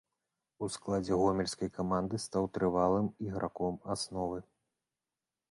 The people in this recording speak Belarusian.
У складзе гомельскай каманды стаў трывалым іграком асновы.